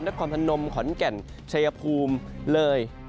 นักความธรรมขอนแก่นชัยภูมิเลย